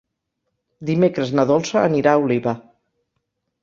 Dimecres na Dolça anirà a Oliva.